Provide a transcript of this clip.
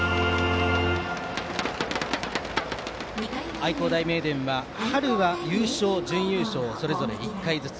愛工大名電は春は優勝、準優勝それぞれ１回ずつ。